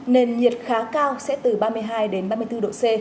nền nhiệt khá cao sẽ từ ba mươi hai đến ba mươi bốn độ c